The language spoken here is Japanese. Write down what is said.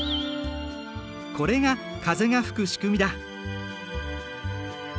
これが風が吹く仕組みだ。